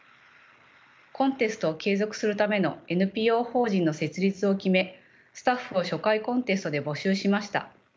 コンテストを継続するためのＮＰＯ法人の設立を決めスタッフを初回コンテストで募集しました。